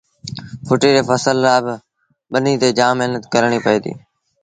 ڦٽيٚ ري ڦسل لآبا ٻنيٚ تي جآم مهنت ڪرڻيٚ پئي ديٚ